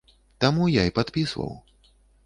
Таму я і падпісваў.